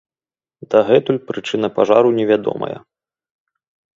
Дагэтуль прычына пажару невядомая.